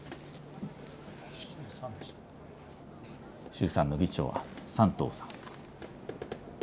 衆参の議長、山東さん。